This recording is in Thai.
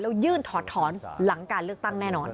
แล้วยื่นถอดถอนหลังการเลือกตั้งแน่นอน